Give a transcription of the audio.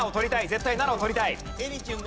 絶対７を取りたい。